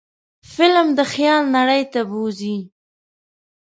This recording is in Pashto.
فلم د خیال نړۍ ته بوځي